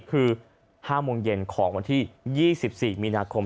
คือ๕โมงเย็นของวันที่๒๔มีนาคม